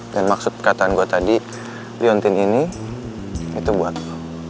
dan maksud kataan gue tadi leontin ini itu buat lo